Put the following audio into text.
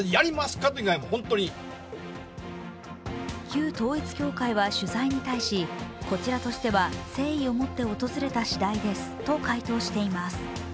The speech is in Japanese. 旧統一教会は取材に対し、こちらとしては誠意をもって訪れた次第ですと回答しています。